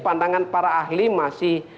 pandangan para ahli masih